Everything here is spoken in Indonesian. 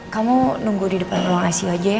kamu nunggu di depan ruang icu aja ya